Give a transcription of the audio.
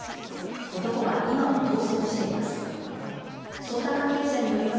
男は今も逃走しています。